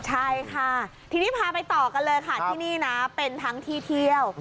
ใช่ค่ะทีนี้พาไปต่อกันเลยค่ะที่นี่นะเป็นทั้งที่เที่ยว